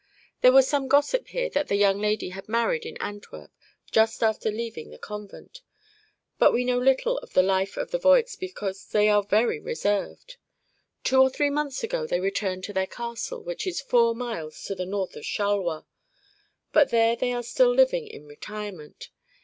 There was some gossip here that the young lady had married in Antwerp, just after leaving the convent; but we know little of the life of the Voigs because they are very reserved. Two or three months ago they returned to their castle, which is four miles to the north of Charleroi, and there they are still living in retirement.